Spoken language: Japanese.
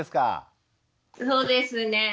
そうですねえ。